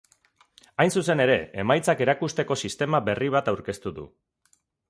Hain zuzen ere, emaitzak erakusteko sistema berri bat aurkeztu du.